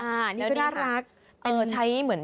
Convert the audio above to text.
อันนี้คือร่าดรัก